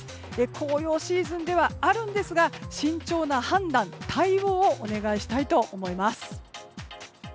紅葉シーズンではありますが慎重な判断・対応をお願いしたいと思います。